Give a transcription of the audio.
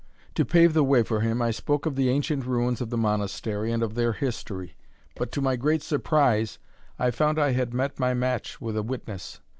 To pave the way for him, I spoke of the ancient ruins of the Monastery, and of their history. But, to my great surprise, I found I had met my match with a witness.